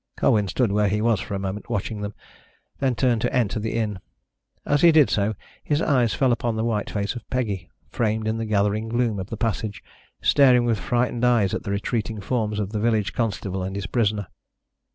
Colwyn stood where he was for a moment, watching them, then turned to enter the inn. As he did so, his eyes fell upon the white face of Peggy, framed in the gathering gloom of the passage, staring with frightened eyes at the retreating forms of the village constable and his prisoner.